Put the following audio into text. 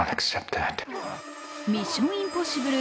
「ミッション：インポシブル」